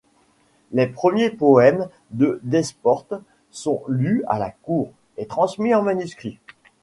Les premiers poèmes de Desportes sont lus à la Cour et transmis en manuscrit.